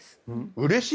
うれしい？